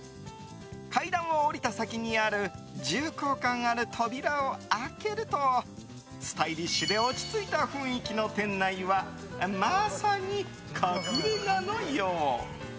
階段を降りた先にある重厚感ある扉を開けるとスタイリッシュで落ち着いた雰囲気の店内はまさに隠れ家のよう。